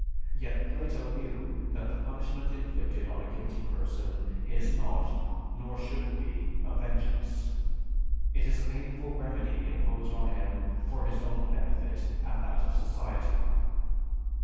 Yet, Plato knew that the punishment inflicted on a guilty person is not, nor should it be, a vengeance; it is a painful remedy imposed on him for his own benefit and that of society.